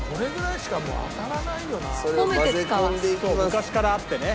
昔からあってね。